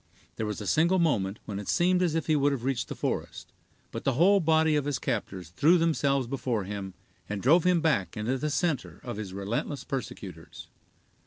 There was a single moment when it seemed as if he would have reached the forest, but the whole body of his captors threw themselves before him, and drove him back into the center of his relentless persecutors.